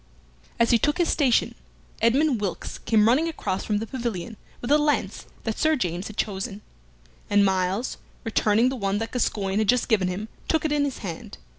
As he took his station Edmund Wilkes came running across from the pavilion with a lance that Sir James had chosen, and Myles, returning the one that Gascoyne had just given him, took it in his hand.